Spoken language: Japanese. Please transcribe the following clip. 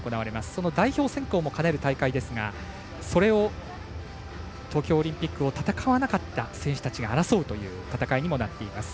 その代表選考も兼ねる大会ですがそれを東京オリンピックを戦わなかった選手たちが争うという戦いにもなっています。